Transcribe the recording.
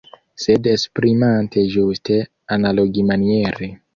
Sed esprimante ĝuste analogimaniere.